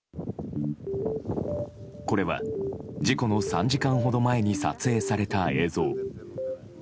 これは、事故の３時間ほど前に撮影された映像。